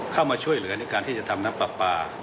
เข้ามาช่วยเหลือในการทำน้ำปลา